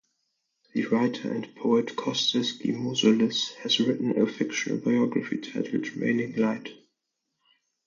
The writer and poet Kostis Gimossoulis has written a fictional biography titled "Raining light".